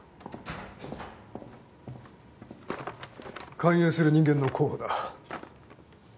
勧誘する人間の候補だ。